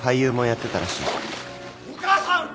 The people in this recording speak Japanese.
お母さん！